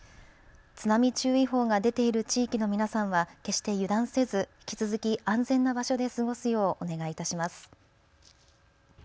津波注意報が出ている地域の皆さんは決して油断せず、引き続き安全な場所で過ごすようお願いいたします。